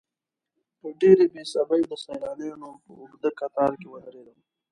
په ډېرې بې صبرۍ د سیلانیانو په اوږده کتار کې ودرېدم.